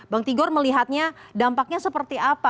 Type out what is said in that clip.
bang tigor melihatnya dampaknya seperti apa